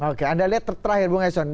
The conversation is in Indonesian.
oke anda lihat terakhir bung eson